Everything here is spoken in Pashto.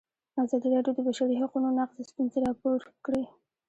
ازادي راډیو د د بشري حقونو نقض ستونزې راپور کړي.